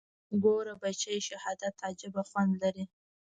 ګوره بچى شهادت عجيبه خوند لري.